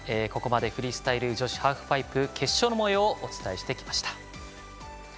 ここまでフリースタイル女子ハーフパイプ決勝のもようをお伝えしてきました。